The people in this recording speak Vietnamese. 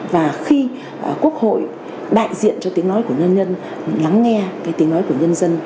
và khi quốc hội đại diện cho tiếng nói của nhân dân lắng nghe cái tiếng nói của nhân dân